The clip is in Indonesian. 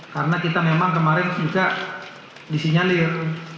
karena kita memang kemarin juga disinyalir